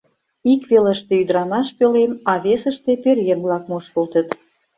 Ик велыште ӱдырамаш пӧлем, а весыште пӧръеҥ-влак мушкылтыт.